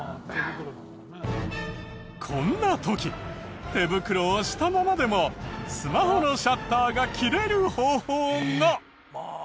こんな時手袋をしたままでもスマホのシャッターが切れる方法が。